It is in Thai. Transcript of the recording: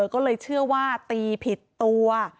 ก็เลยเชื่อว่าตีผิดตัว